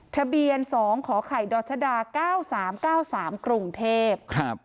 ทะเบียน๒ขอไข่ดรชดา๙๓๙๓กรุงเทพ